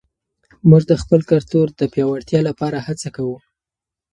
موږ د خپل کلتور د پیاوړتیا لپاره هڅه کوو.